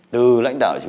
từ lãnh đạo